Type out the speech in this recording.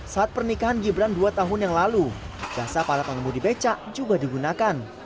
saat pernikahan gibran dua tahun yang lalu jasa para pengemudi becak juga digunakan